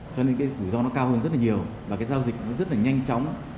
cho nên cái rủi ro nó cao hơn rất là nhiều và cái giao dịch nó rất là nhanh chóng